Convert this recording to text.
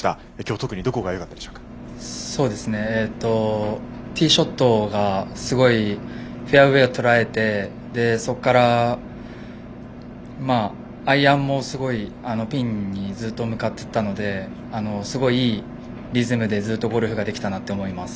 ティーショットがすごいティーショットがすごいフェアウエーをとらえてアイアンもピンにずっと向かっていたのですごい、いいリズムでずっとゴルフができたと思います。